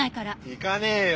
行かねえよ